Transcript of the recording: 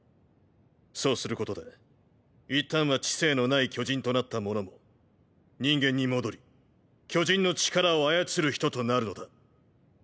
そうすることで一旦は知性のない巨人となった者も人間に戻り「巨人の力を操る人」となるのだ。